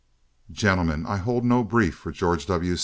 "Gentlemen, I hold no brief for George W.